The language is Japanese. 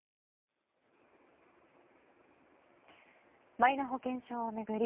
マイナ保険証を巡り